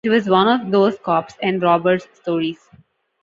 It was one of those cops-and-robbers stories.